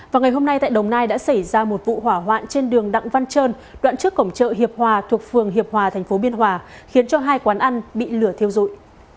vào ngày hôm nay tại đồng nai đã xảy ra một vụ hỏa hoạn trên đường đặng văn trơn đoạn trước cổng chợ hiệp hòa thuộc phường hiệp hòa thành phố biên hòa khiến cho hai quán ăn bị lửa thiêu rụi